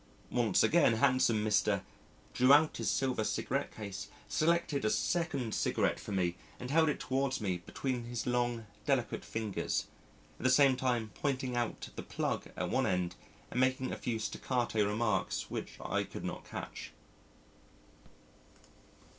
Once again, handsome Mr. drew out his silver cigarette case, selected a second cigarette for me, and held it towards me between his long delicate fingers, at the same time pointing out the plug at one end and making a few staccato remarks which I could not catch.